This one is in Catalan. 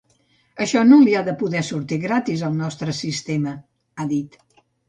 Això no li ha de poder sortir gratis al nostre sistema, ha dit.